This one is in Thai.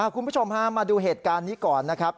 คุณผู้ชมฮะมาดูเหตุการณ์นี้ก่อนนะครับ